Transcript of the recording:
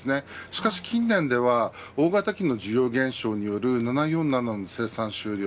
しかし近年では大型機の需要減少による７４７の生産終了。